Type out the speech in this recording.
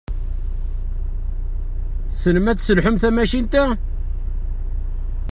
Tessnem ad tesselḥum tamacint-a?